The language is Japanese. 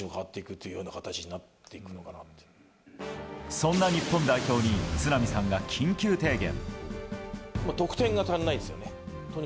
そんな日本代表に都並さんが緊急提言。